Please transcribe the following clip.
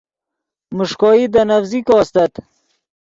میݰکوئی دے نڤزیکو استت